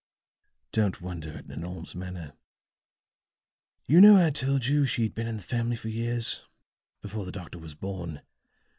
"Don't wonder at Nanon's manner. You know I'd told you she'd been in the family for years before the doctor was born.